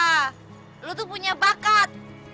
anda itu punya bakat